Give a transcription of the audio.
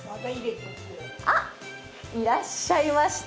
あっ、いらっしゃいました。